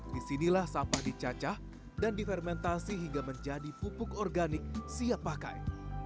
disinilah sampah dicacah dan difermentasi hingga menjadi pupuk organik siap pakai